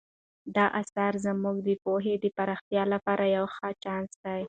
دا اثر زموږ د پوهې د پراختیا لپاره یو ښه چانس دی.